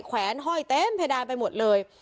แวนห้อยเต็มเพดานไปหมดเลย